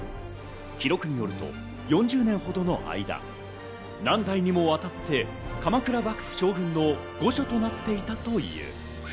記録によると４０年ほどの間、何代にもわたって鎌倉幕府将軍の御所となっていたという。